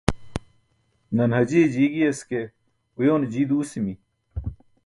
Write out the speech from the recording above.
Nan Hajiye ji giyas ke uyoone jii duusimi.